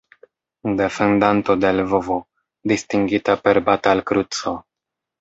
Defendanto de Lvovo, distingita per Batal-Kruco.